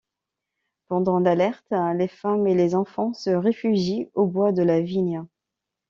Pendant l’alerte, les femmes et les enfants se réfugient au bois de la Vigne.